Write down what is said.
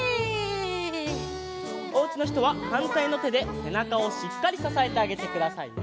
おうちのひとははんたいのてでせなかをしっかりささえてあげてくださいね。